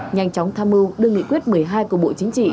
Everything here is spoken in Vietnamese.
nhanh chóng tham mưu đưa nghị quyết một mươi hai của bộ chính trị